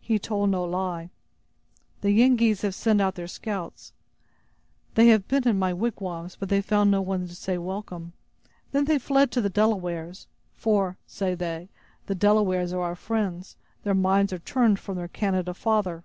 "He told no lie. The Yengeese have sent out their scouts. They have been in my wigwams, but they found there no one to say welcome. Then they fled to the Delawares—for, say they, the Delawares are our friends; their minds are turned from their Canada father!"